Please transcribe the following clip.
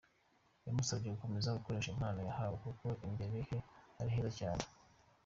Yamusabye gukomeza gukoresha impano yahawe kuko imbere he ari heza cyane.